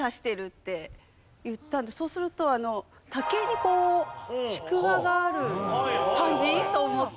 って言ったんでそうすると竹にこうちくわがある感じと思って。